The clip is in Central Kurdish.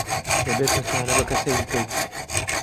دەبێت متمانە بە کەسێک بکەیت.